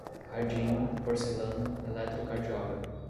cadinho, porcelana, eletrocardiógrafo